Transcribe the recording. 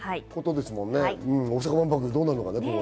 大阪万博どうなるのか。